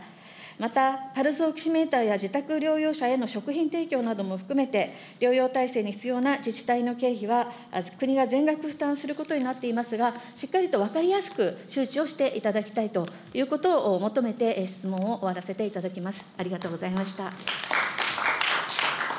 また、パルスオキシメーターや自宅療養者への食品提供なども含めて、療養体制に必要な自治体の経費は国が全額負担することになっていますが、しっかりと分かりやすく、周知をしていただきたいということを求めて、質問を終わらせていただきます。